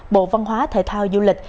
bộ văn hóa thể thao du lịch